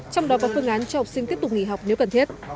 trong đó có phương án cho học sinh tiếp tục nghỉ học nếu cần thiết